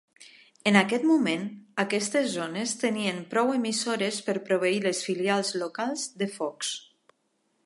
En aquest moment, aquestes zones tenien prou emissores per proveir les filials locals de Fox.